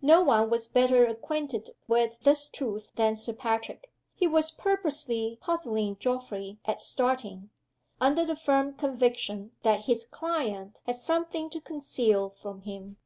No one was better acquainted with this truth than Sir Patrick. He was purposely puzzling Geoffrey at starting, under the firm conviction that his client had something to conceal from him.